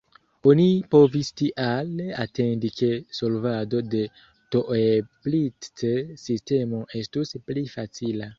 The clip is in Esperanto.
Oni povis tial atendi ke solvado de Toeplitz-sistemo estus pli facila.